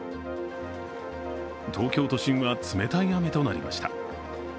東京都心は冷たい雨となりました。